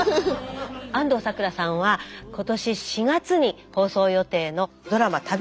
安藤サクラさんは今年４月に放送予定のドラマ